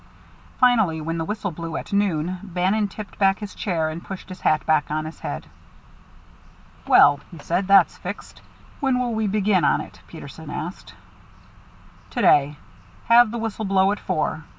Finally, when the whistle blew, at noon, Bannon tipped back his chair and pushed his hat back on his head. "Well," he said, "that's fixed." "When will we begin on it?" Peterson asked. "To day. Have the whistle blow at four.